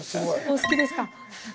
お好きですか。